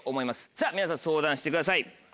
さぁ皆さん相談してください。